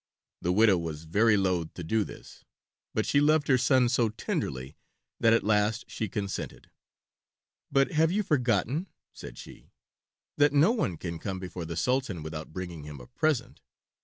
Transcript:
The widow was very loth to do this, but she loved her son so tenderly that at last she consented. "But have you forgotten," said she, "that no one can come before the Sultan without bringing him a present?"